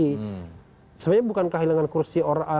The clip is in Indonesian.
sebenarnya bukan kehilangan kursi